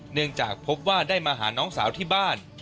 เนื่องจากพบว่าได้มาหาน้องสาวที่บ้าน